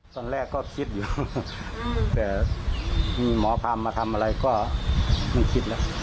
ตอนแรกก็คิดอยู่แต่มีหมอพามาทำอะไรก็ไม่คิดแล้ว